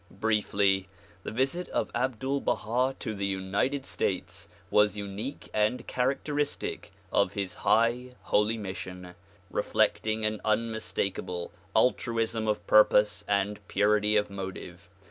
Briefly ;— the visit of Abdul Baha to the United States was unique and characteristic of his high, holy mission, reflecting an unmistakable altruism of purpose and purity of motive.